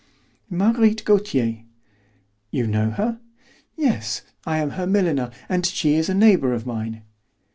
"Marguerite Gautier." "You know her?" "Yes, I am her milliner, and she is a neighbour of mine."